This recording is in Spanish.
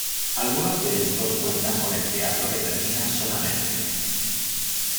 Algunos de estos cuentan con el teatro que termina solamente.